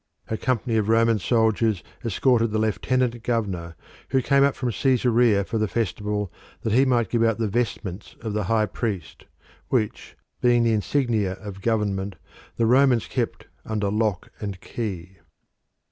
A company of Roman soldiers escorted the lieutenant governor, who came up from Caesarea for the festival that he might give out the vestments of the High Priest, which, being the insignia of government, the Romans kept under lock and key.